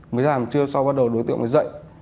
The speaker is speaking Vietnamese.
mới ra một trưa sau bắt đầu đối tượng dậy